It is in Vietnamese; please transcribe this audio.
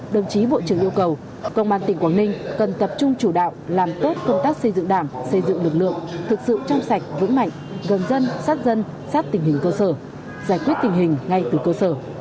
đồng chí bộ trưởng yêu cầu công an tỉnh quảng ninh cần tập trung chủ đạo làm tốt công tác xây dựng đảng xây dựng lực lượng thực sự trong sạch vững mạnh gần dân sát dân sát tình hình cơ sở giải quyết tình hình ngay từ cơ sở